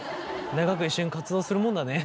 長く一緒に活動するもんだね。